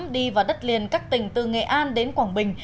đi vào đất liền các tỉnh từ nghệ an đến quảng bình